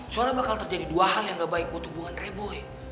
soalnya bakal terjadi dua hal yang gak baik buat hubungan reboy